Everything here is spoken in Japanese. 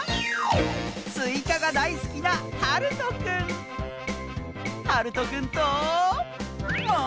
すいかがだいすきなはるとくんとものしりとり！